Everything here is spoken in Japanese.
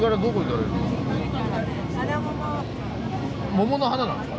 桃の花なんですか？